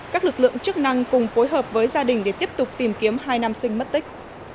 các lực lượng chức năng cùng phối hợp với gia đình để tiếp tục tìm kiếm hai nam sinh mất tích